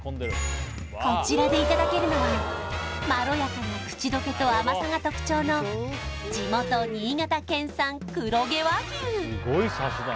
こちらでいただけるのはまろやかな口溶けと甘さが特徴の地元新潟県産黒毛和牛